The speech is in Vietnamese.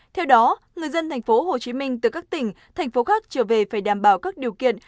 theo đó người dân tp hcm từ các tỉnh thành phố khác trở về phải đảm bảo các điều kiện